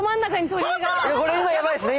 これ今ヤバいっすね。